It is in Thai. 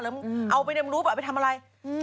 เอาไปทำรูปเอาไปทำอะไร